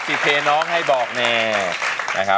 ที่เคน้องให้บอกเนี่ย